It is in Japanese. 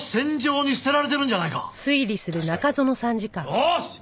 よし！